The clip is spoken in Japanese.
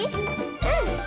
うん。